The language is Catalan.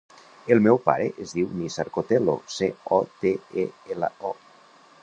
El meu pare es diu Nizar Cotelo: ce, o, te, e, ela, o.